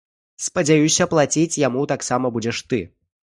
Спадзяюся, плаціць яму таксама будзеш ты!